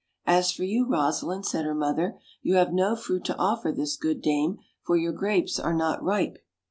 "As for you, Rosalind," said her mother, "you have no fruit to offer this good dame, for your grapes are not ripe.